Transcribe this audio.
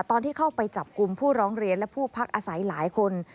ตอนที่เข้าไปจับกลุ่มผู้ร้องเรียนและผู้พักอาศัยหลายคน